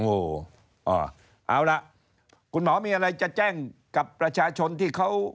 โอ้โหเอาล่ะคุณหมอมีอะไรจะแจ้งกับประชาชนที่เขา